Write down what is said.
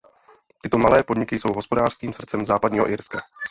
Tyto malé podniky jsou hospodářským srdcem západního Irska.